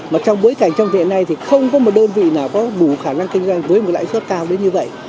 mà trong bối cảnh trong hiện nay thì không có một đơn vị nào có đủ khả năng kinh doanh với một lãi suất cao đến như vậy